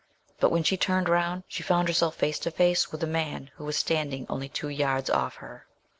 But when she turned round, she found herself face to face with a man who was standing only two yards off her.